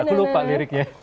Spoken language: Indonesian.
aku lupa liriknya